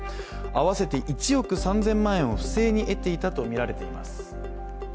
合わせて１億３０００万円を不正に得ていたとみられています。